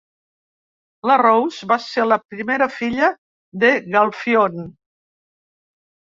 La Rose va ser la primera filla de Galfione.